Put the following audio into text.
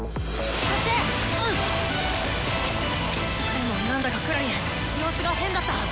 でも何だかクラリン様子が変だった！